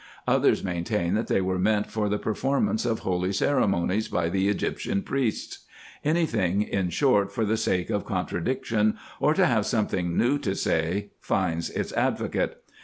Others maintain, that they were meant for the performance of holy cere monies by the Egyptian priests. Any thing in short for the sake of contradiction, or to have something new to say, finds its advocate.